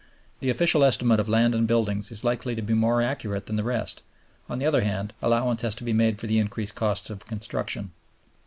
The official estimate of land and buildings is likely to be more accurate than the rest. On the other hand, allowance has to be made for the increased costs of construction.